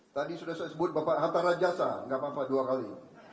tadi sudah saya sebut bapak hatta rajasa gak apa apa dua kali